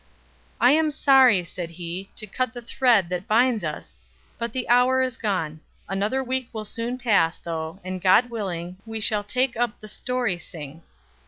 "I am sorry," said he, "to cut the thread that binds us, but the hour is gone. Another week will soon pass, though, and, God willing, we shall take up the story sing."